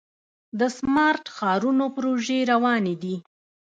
د سمارټ ښارونو پروژې روانې دي.